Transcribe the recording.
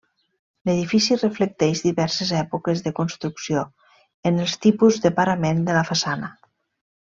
L'edifici reflecteix diverses èpoques de construcció en els tipus de parament de la façana.